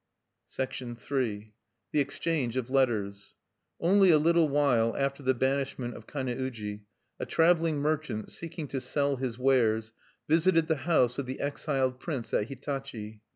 III. THE EXCHANGE OF LETTERS Only a little while after the banishment of Kane uji, a traveling merchant, seeking to sell his wares, visited the house of the exiled prince at Hitachi.